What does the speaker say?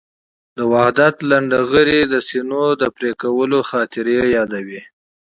د وحدت لنډهغري د سینو د پرېکولو خاطرې یادوي.